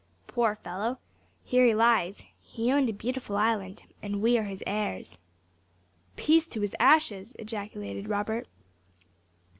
Poor fellow! here he lies. He owned a beautiful island, and we are his heirs." "Peace to his ashes!" ejaculated Robert.